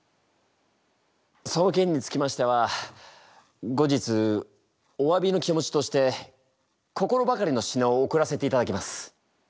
その件につきましては後日おわびの気持ちとして心ばかりの品を贈らせていただきます。